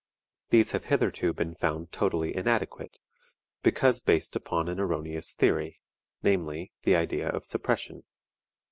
These have hitherto been found totally inadequate, because based upon an erroneous theory, namely, the idea of suppression.